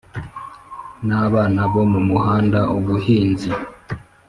n abana bo mu muhanda ubuhinzi